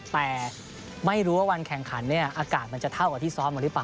แต่ไม่รู้ว่าวันแข่งขันเนี่ยอากาศมันจะเท่ากับที่ซ้อมมาหรือเปล่า